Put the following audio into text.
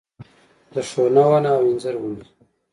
د ښونه ونه او انځر ونې